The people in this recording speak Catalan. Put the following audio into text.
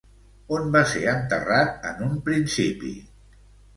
On va ser enterrat en un principi?